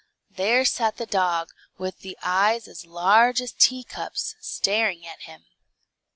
there sat the dog, with the eyes as large as teacups, staring at him.